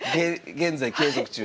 現在継続中。